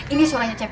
ini suaranya cepi